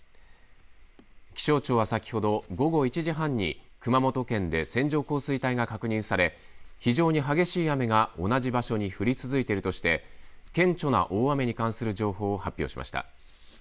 気象庁は先ほど午後１時半に熊本県で線状降水帯が確認され非常に激しい雨が同じ場所に降り続いているとして顕著な大雨に関する情報を発表しました。